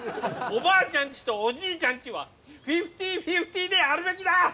「おばあちゃんち」と「おじいちゃんち」はフィフティーフィフティーであるべきだ！